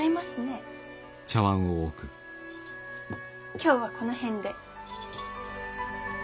今日はこの辺で。